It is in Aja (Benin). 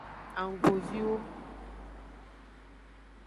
Anggoviwo.